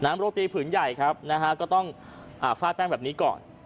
โรตีผืนใหญ่ครับนะฮะก็ต้องฟาดแป้งแบบนี้ก่อน